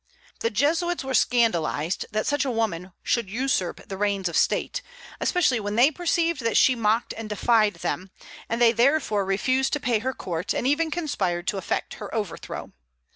The Jesuits were scandalized that such a woman should usurp the reins of state, especially when they perceived that she mocked and defied them; and they therefore refused to pay her court, and even conspired to effect her overthrow.